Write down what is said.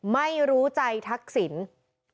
ไม่รู้ใจทักษิณ